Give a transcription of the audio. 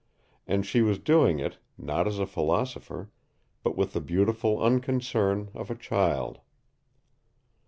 And she was doing it, not as a philosopher, but with the beautiful unconcern of a child.